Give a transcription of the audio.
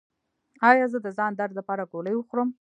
ایا زه د ځان درد لپاره ګولۍ وخورم؟